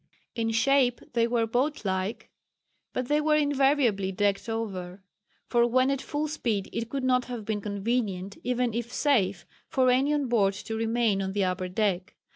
In shape they were boat like, but they were invariably decked over, for when at full speed it could not have been convenient, even if safe, for any on board to remain on the upper deck.